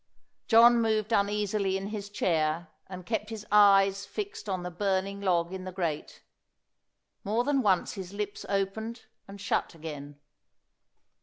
John moved uneasily in his chair, and kept his eyes fixed on the burning log in the grate. More than once his lips opened and shut again.